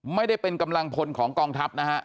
ไม่ได้เป็นกำลังพลของกองทัพนะฮะ